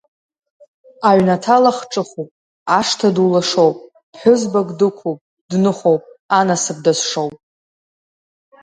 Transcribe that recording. Аҩнаҭа лахҿыхуп, ашҭа ду лашоуп, ԥҳәызбак дықәуп, дныхоуп, анасыԥ дазшоуп.